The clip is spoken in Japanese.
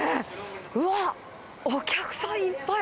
うわっ、お客さんいっぱい。